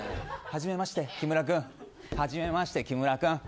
はじめまして木村君。はじめまして、木村君。